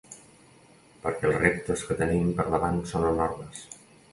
Perquè els reptes que tenim per davant són enormes.